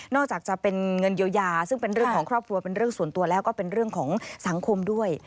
นอกจากจะเป็นเงินเยาว์ยาเป็นเรื่องของครอบครัวส่วนตัวแล้วก็เป็นเรื่องของสังคมด้วย